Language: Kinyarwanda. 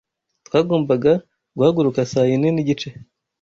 Twagombaga guhaguruka saa yine n'igice